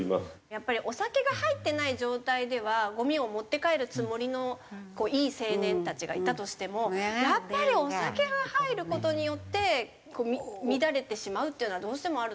やっぱりお酒が入ってない状態ではごみを持って帰るつもりのいい青年たちがいたとしてもやっぱりお酒が入る事によって乱れてしまうっていうのはどうしてもあると思うので。